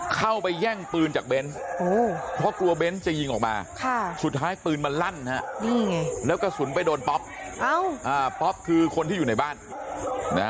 เข้าไปแย่งปืนจากเน้นเพราะกลัวเบ้นจะยิงออกมาสุดท้ายปืนมันลั่นฮะนี่ไงแล้วกระสุนไปโดนป๊อปป๊อปคือคนที่อยู่ในบ้านนะ